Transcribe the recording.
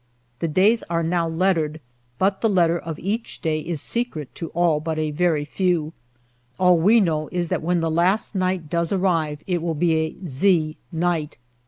The days are now lettered, but the letter of each day is secret to all but a very few. All we know is that when the last night does arrive it will be " Z " night.